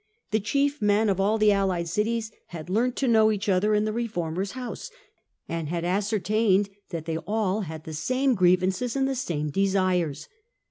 The chief men of all the allied cities had learnt to know each other in the reformer's house, and had ascertained that they all had the same grievances and the same desires.